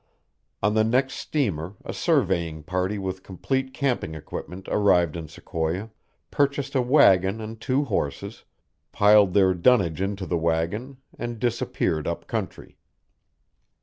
On the next steamer a surveying party with complete camping equipment arrived in Sequoia, purchased a wagon and two horses, piled their dunnage into the wagon, and disappeared up country.